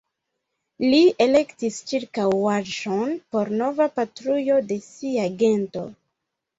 Li elektis ĉirkaŭaĵon por nova patrujo de sia gento.